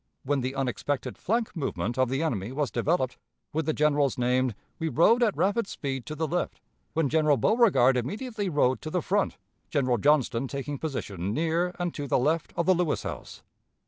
When the unexpected flank movement of the enemy was developed, with the generals named, we rode at rapid speed to the left, when General Beauregard immediately rode to the front, General Johnston taking position near and to the left of the Lewis house....